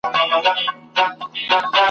په وطن کي چی نېستي سي د پوهانو ..